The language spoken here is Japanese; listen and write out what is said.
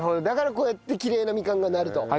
だからこうやってきれいなみかんがなると。